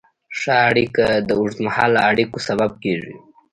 ښه اړیکه د اوږدمهاله اړیکو سبب کېږي.